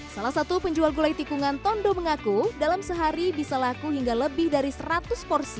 salah satu penjual gulai tikungan tondo mengaku dalam sehari bisa laku hingga lebih dari seratus porsi